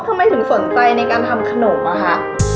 ทำไมถึงสนใจในการทำขนมอะคะ